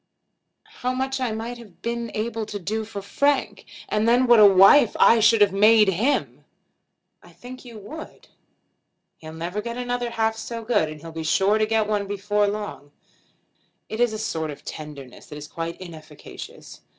How much I might have been able to do for Frank! And then what a wife I should have made him!" "I think you would." "He'll never get another half so good; and he'll be sure to get one before long. It is a sort of tenderness that is quite inefficacious.